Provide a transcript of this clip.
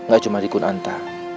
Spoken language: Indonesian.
gak cuma di konanta